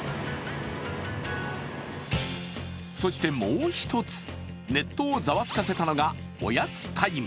そしてもう一つ、ネットをざわつかせたのが、おやつタイム。